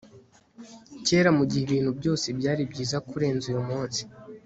kera mugihe ibintu byose byari byiza kurenza uyumunsi